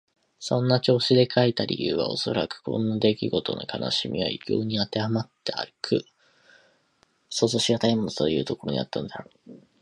そんな調子で書いた理由はおそらく、こんなできごとの悲しみは異郷にあってはまったく想像しがたいものだ、というところにあったのであろう。